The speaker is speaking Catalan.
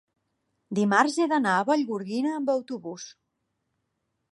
dimarts he d'anar a Vallgorguina amb autobús.